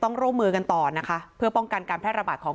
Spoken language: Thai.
ร่วมมือกันต่อนะคะเพื่อป้องกันการแพร่ระบาดของ